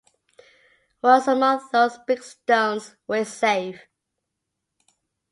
Once among those big stones we're safe.